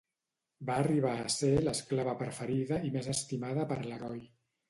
Va arribar a ser l'esclava preferida i més estimada per l'heroi.